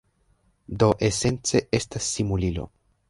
Do esence estas simulilo.